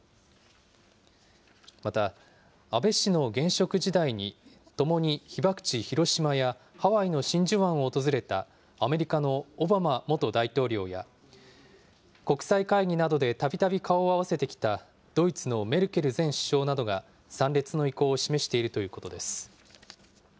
また、安倍氏の現職時代に、ともに被爆地、広島やハワイの真珠湾を訪れたアメリカのオバマ元大統領や、国際会議などでたびたび顔を合わせてきたドイツのメルケル前首相などが参列の意向を示しているということです。